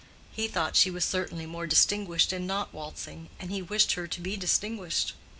He thought she was certainly more distinguished in not waltzing, and he wished her to be distinguished.